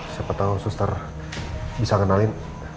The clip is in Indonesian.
siapa tahu suster bisa ngenalin